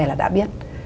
vậy là đã biết